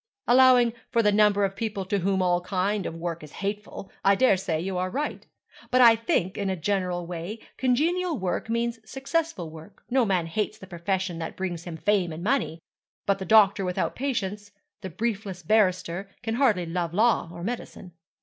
'Allowing for the number of people to whom all kind of work is hateful, I dare say you are right. But I think, in a general way, congenial work means successful work. No man hates the profession that brings him fame and money; but the doctor without patients, the briefless barrister, can hardly love law or medicine.'